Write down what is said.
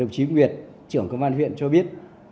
đồng chí nguyệt trưởng công an huyện cho biết